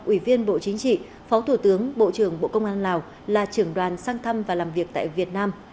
ủy viên bộ chính trị phó thủ tướng bộ trưởng bộ công an lào là trưởng đoàn sang thăm và làm việc tại việt nam